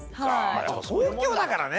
東京だからね。